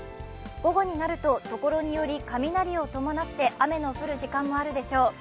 午後になると、ところにより雷を伴って雨の降る時間もあるでしょう。